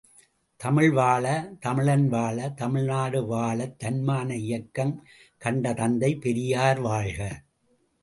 தமிழ் வாழ, தமிழன் வாழ, தமிழ்நாடு வாழத் தன்மான இயக்கம் கண்ட தந்தை பெரியார் வாழ்க!